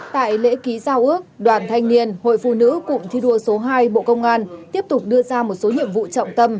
tại lễ ký giao ước đoàn thanh niên hội phụ nữ cụng thi đua số hai bộ công an tiếp tục đưa ra một số nhiệm vụ trọng tâm